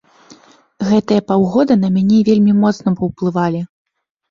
Гэтыя паўгода на мяне вельмі моцна паўплывалі.